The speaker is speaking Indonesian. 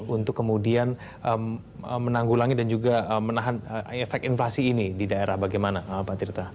untuk kemudian menanggulangi dan juga menahan efek inflasi ini di daerah bagaimana pak tirta